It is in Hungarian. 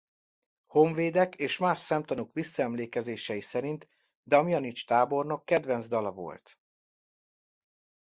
Honvédek és más szemtanúk visszaemlékezései szerint Damjanich tábornok kedvenc dala volt.